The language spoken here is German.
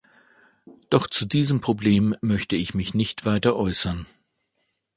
Doch zu diesem Problem möchte ich mich nicht weiter äußern.